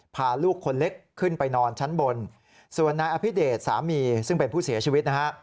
พาลูกคนเล็กขึ้นไปนอนชั้นบนส่วนนายอภิเดชสามีซึ่งเป็นผู้เสียชีวิตนะฮะ